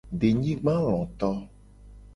Denyigbaloto.